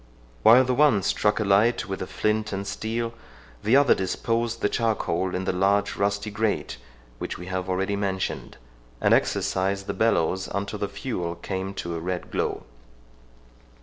While the one struck a light with a flint and steel, the other disposed the charcoal in the large rusty grate which we have already mentioned, and exercised the bellows until the fuel came to a red glow.